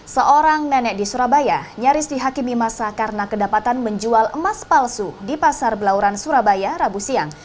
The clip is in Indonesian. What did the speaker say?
seorang nenek di surabaya nyaris dihakimi masa karena kedapatan menjual emas palsu di pasar belauran surabaya rabu siang